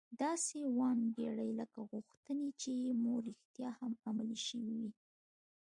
داسې وانګيرئ لکه غوښتنې چې مو رښتيا هم عملي شوې وي.